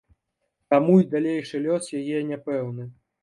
Таму і далейшы лёс яе няпэўны.